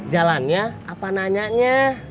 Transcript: jalannya apa nanyanya